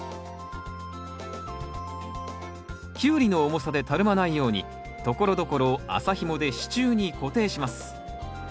キュウリの重さでたるまないようにところどころを麻ひもで支柱に固定します。